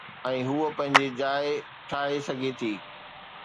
۽ هوءَ پنهنجي جاءِ ٺاهي سگهي ٿي.